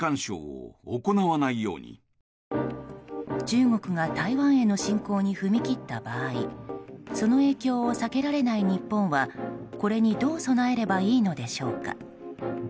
中国が台湾への侵攻に踏み切った場合その影響を避けられない日本はこれにどう備えればいいのでしょうか。